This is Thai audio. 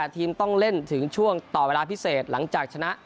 ถึงช่วงต่อเวลาพิเศษหลังจากชนะ